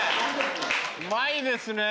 うまいですね